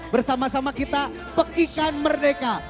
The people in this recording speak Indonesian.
bersama sama kita pekikan merdeka